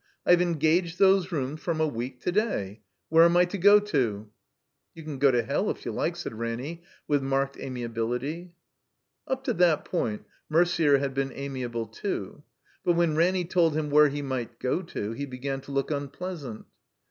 I've engaged those rooms from a week to day. Where am I to go to ?" "You can go to hell if you like," said Ranny, with marked amiabihty. Up to that point Merder had been amiable too. But when Ranny told him where he might go to he began to look unpleasant.